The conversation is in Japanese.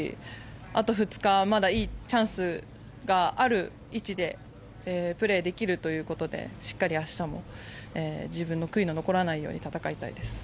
あと２日まだチャンスがある位置でプレーできるということでしっかり明日も自分の悔いの残らないように戦いたいです。